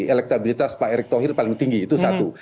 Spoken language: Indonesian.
elektabilitas pak erick thohir paling tinggi itu satu